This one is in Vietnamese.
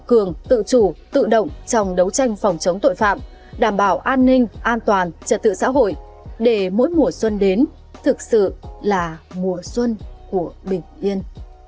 tăng cường tự chủ tự động trong đấu tranh phòng chống tội phạm đảm bảo an ninh an toàn trật tự xã hội để mỗi mùa xuân đến thực sự là mùa xuân của bình yên